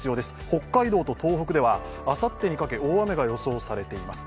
北海道と東北ではあさってにかけ大雨が予想されています。